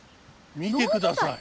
見てください。